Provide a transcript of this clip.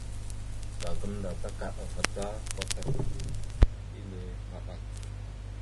Ɓəza gamənda takaɗava ta kwatar nehe maɗak.